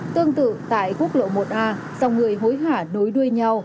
tương tự tại quốc lộ một a dòng người hối hả nối đuôi nhau